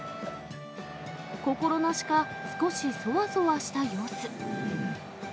心なしか、少しそわそわした様子。